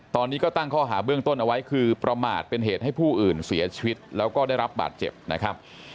ตอนนี้ก็ตั้งข้อหาเบื้องต้นเอาไว้คือประมาทเป็นเหตุให้ผู้อื่นเสียชีวิตแล้วก็ได้รับบาดเจ็บนะครับ